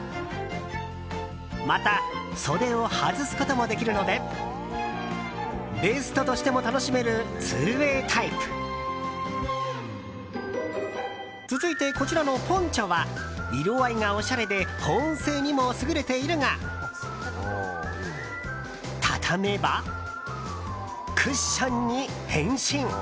また、袖を外すこともできるのでベストとしても楽しめる２ＷＡＹタイプ。続いて、こちらのポンチョは色合いがおしゃれで保温性にも優れているが畳めば、クッションに変身。